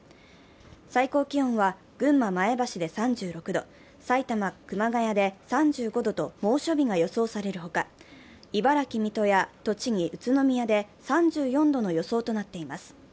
最高気温は群馬・前橋で３６度、埼玉・熊谷で３５度と猛暑日が予想されるほか茨城・水戸や栃木・宇都宮で３４度の予想となっています。